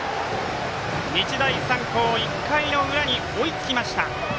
日大三高、１回の裏に追いつきました。